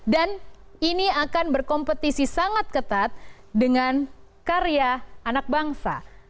dan ini akan berkompetisi sangat ketat dengan karya anak bangsa